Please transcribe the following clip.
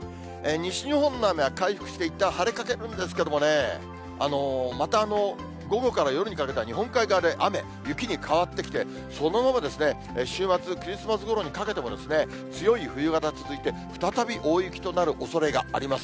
西日本の雨は回復して、いったん晴れかけるんですけれどもね、また午後から夜にかけては、日本海側で雨、雪に変わってきて、そのまま、週末、クリスマスごろにかけても強い冬型続いて、再び大雪となるおそれがあります。